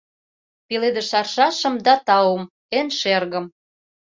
Пеледыш аршашым да таум, эн шергым.